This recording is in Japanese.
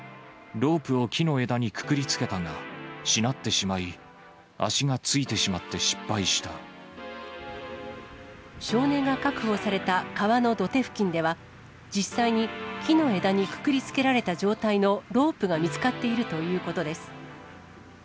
ロープを木の枝にくくりつけたが、しなってしまい、足がついてしま少年が確保された川の土手付近では、実際に木の枝にくくりつけられた状態のロープが見つかっているということです。